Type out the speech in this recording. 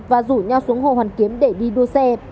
và rủ nhau xuống hồ hoàn kiếm để đi đua xe